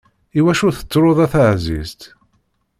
Iwacu tettruḍ a taεzizt?